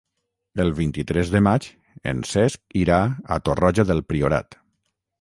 El vint-i-tres de maig en Cesc irà a Torroja del Priorat.